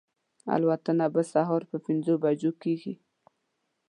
الوتنه به سهار پر پنځو بجو کېږي.